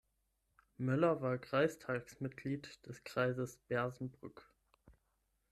Möller war Kreistagsmitglied des Kreises Bersenbrück.